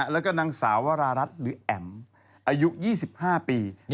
แล้วก็นางสาววรารัฐหรือแอ๋มอายุ๒๕ปี